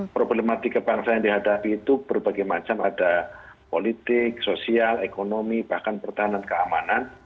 problematika bangsa yang dihadapi itu berbagai macam ada politik sosial ekonomi bahkan pertahanan keamanan